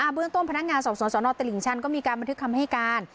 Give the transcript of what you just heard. เบื้องต้นพนักงานสอบสวนสนตลิ่งชันก็มีการบันทึกคำให้การ